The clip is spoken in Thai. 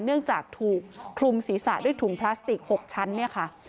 เนื่องจากถูกคลุมศีรษะด้วยถุงพลาสติก๖ชั้นเนี่ยค่ะ